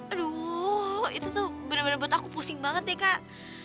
aduh itu tuh bener bener buat aku pusing banget ya kak